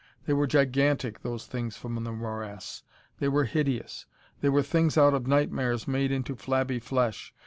They were gigantic, those things from the morass. They were hideous. They were things out of nightmares, made into flabby flesh.